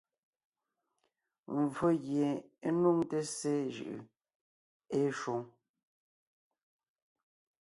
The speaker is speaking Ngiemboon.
Mvfó gie é nuŋte ssé jʉʼʉ ée shwoŋ.